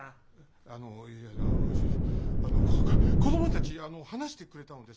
あのいやあのこ子供たちあの話してくれたのです。